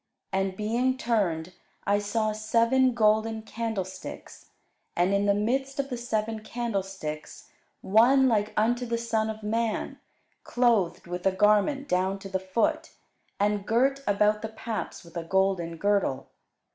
And being turned, I saw seven golden candlesticks; and in the midst of the seven candlesticks one like unto the Son of man, clothed with a garment down to the foot, and girt about the paps with a golden girdle.